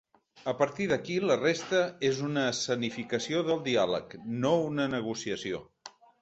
A partir d’aquí la resta és una escenificació del diàleg, no una negociació.